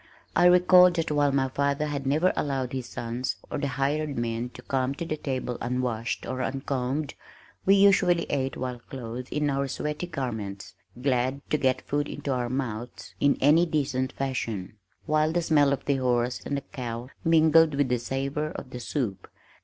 I recalled that while my father had never allowed his sons or the hired men to come to the table unwashed or uncombed, we usually ate while clothed in our sweaty garments, glad to get food into our mouths in any decent fashion, while the smell of the horse and the cow mingled with the savor of the soup.